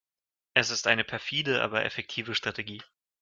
Es ist eine perfide, aber effektive Strategie.